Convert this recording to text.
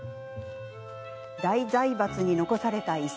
大財閥に残された遺産。